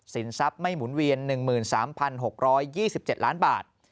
ทรัพย์ไม่หมุนเวียน๑๓๖๒๗ล้านบาท